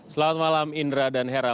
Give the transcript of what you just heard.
selamat malam indra dan hera